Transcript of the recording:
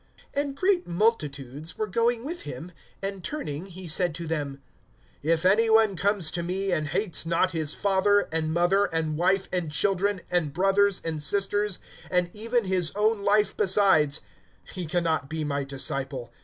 (25)And great multitudes were going with him; and turning, he said to them: (26)If any one comes to me, and hates not his father, and mother, and wife, and children, and brothers, and sisters, and even his own life besides, he can not be my disciple.